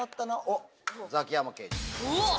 うわっ。